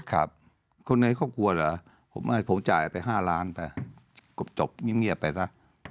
คนในครอบครัวเหรอผมจ่ายไป๕ล้านไปก็จบเงียบไปซะ